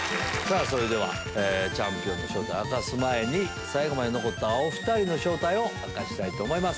それではチャンピオンの正体を明かす前に最後まで残ったお２人の正体を明かしたいと思います。